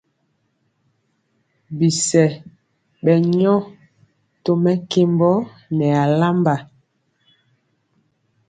Bisɛ ɓɛ nyɔ to mɛkembɔ nɛ alamba.